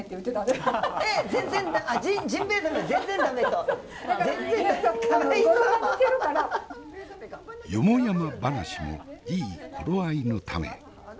よもやま話もいい頃合いのため。